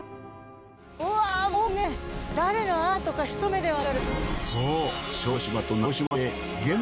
うわぁもうね誰のアートかひと目でわかる。